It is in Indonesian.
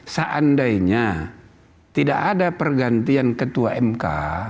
seandainya tidak ada pergantian ketua mk